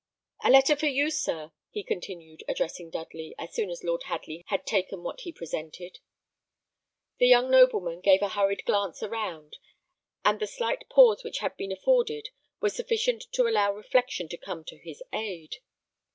"A letter for you, sir," he continued, addressing Dudley, as soon as Lord Hadley had taken what he presented. The young nobleman gave a hurried glance around; and the slight pause which had been afforded was sufficient to allow reflection to come to his aid.